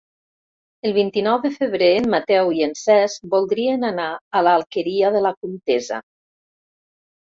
El vint-i-nou de febrer en Mateu i en Cesc voldrien anar a l'Alqueria de la Comtessa.